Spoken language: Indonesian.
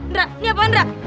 ndra ini apaan ndra